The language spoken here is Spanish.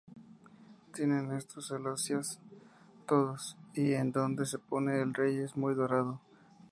Tienen estos celosías todos, y en donde se pone el rey es muy dorado.